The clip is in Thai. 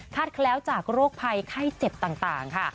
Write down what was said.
แคล้วจากโรคภัยไข้เจ็บต่างค่ะ